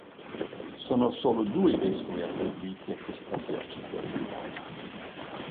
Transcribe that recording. Sono solo due i vescovi attribuiti a questa diocesi africana.